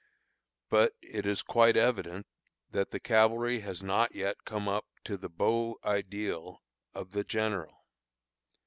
But it is quite evident that the cavalry has not yet come up to the beau ideal of the general.